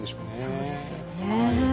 そうですよねえ。